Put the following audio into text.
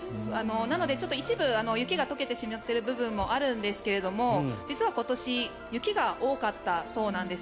なので、一部雪が解けてしまっている部分もあるんですが実は今年雪が多かったそうなんです。